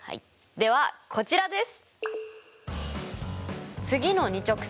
ではこちらです。